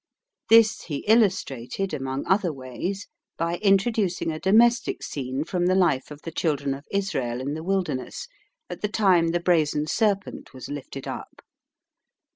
This he illustrated, among other ways, by introducing a domestic scene from the life of the children of Israel in the Wilderness at the time the brazen serpent was lifted up.